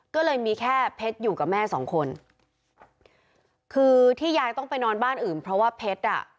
ก็เลยมีแค่เพชรอยู่กับแม่สองคนคือที่ยายต้องไปนอนบ้านอื่นเพราะว่าเพชรอ่ะ